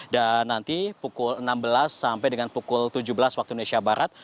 dan nanti pukul enam belas sampai dengan pukul tujuh belas waktu indonesia barat